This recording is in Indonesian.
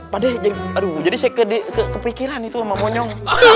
pada jadi aduh jadi saya kepikiran itu sama monyong